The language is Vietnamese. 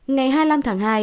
ngày hai mươi năm tháng hai